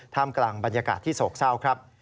กลางบรรยากาศที่โศกเศร้าครับ